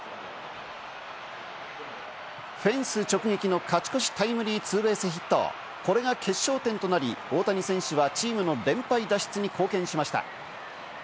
フェンス直撃の勝ち越しタイムリーツーベースヒット、これが決勝点となり、大谷選手はチームの連敗脱出に貢献しました。